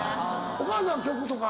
お母さんは曲とか。